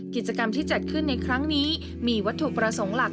กิจกรรมที่จัดขึ้นในครั้งนี้มีวัตถุประสงค์หลัก